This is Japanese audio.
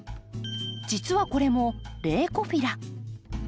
実はこれもレウコフィラ。